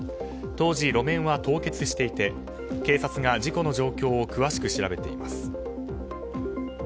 当時、路面は凍結していて警察が事故の状況を詳しく調べています。